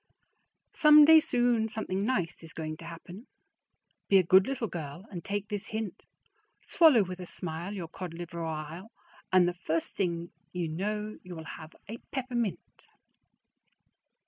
Someday soon something nice is going to happen; Be a good little girl and take this hint: Swallow with a smile your cod liver ile, And the first thing you know you will have a peppermint.